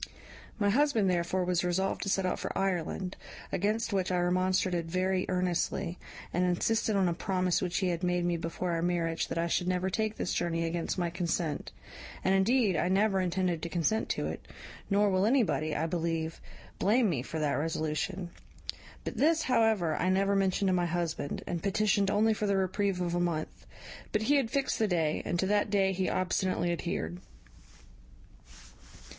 My husband therefore was resolved to set out for Ireland; against which I remonstrated very earnestly, and insisted on a promise which he had made me before our marriage that I should never take this journey against my consent; and indeed I never intended to consent to it; nor will anybody, I believe, blame me for that resolution; but this, however, I never mentioned to my husband, and petitioned only for the reprieve of a month; but he had fixed the day, and to that day he obstinately adhered.